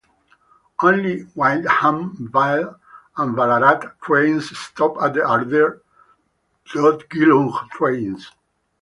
Only Whyndham Vale and Ballarat trains stop at Ardeer, not Geelong trains.